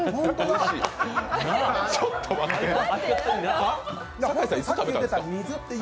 ちょっと待って。